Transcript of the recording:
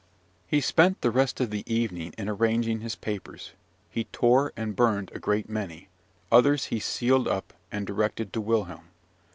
He spent the rest of the evening in arranging his papers: he tore and burned a great many; others he sealed up, and directed to Wilhelm.